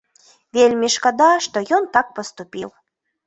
Вельмі шкада, што ён так паступіў.